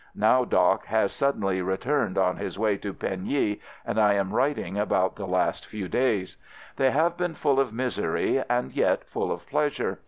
Now "Doc" has suddenly returned on his way to Pagny and I am writing about the 62 AMERICAN AMBULANCE last few days. They have been full of misery and yet full of pleasure.